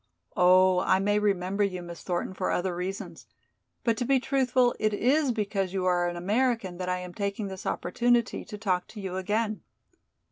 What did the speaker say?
"Oh, I may remember you, Miss Thornton, for other reasons. But to be truthful it is because you are an American that I am taking this opportunity to talk to you again."